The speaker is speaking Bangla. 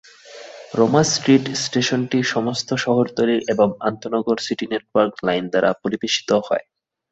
রোমা স্ট্রিট স্টেশনটি সমস্ত শহরতলি এবং আন্তঃনগর সিটি নেটওয়ার্ক লাইন দ্বারা পরিবেশিত হয়।